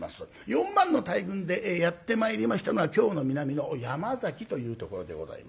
４万の大軍でやって参りましたのは京の南の山崎というところでございます。